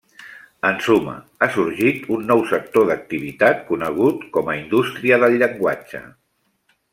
En suma, ha sorgit un nou sector d'activitat, conegut com a indústria del llenguatge.